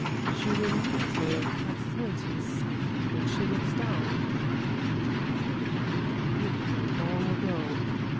She reminds me of Praxiteles' Psyche when she looks down. Why did I not meet her long ago?